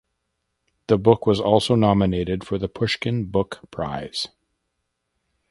The book was also nominated for the Pushkin Book Prize.